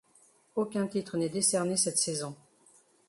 Aucun titre n'est décerné cette saison.